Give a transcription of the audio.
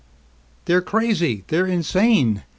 "They're crazy! They're insane!